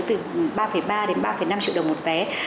ba ba ba năm triệu đồng một vé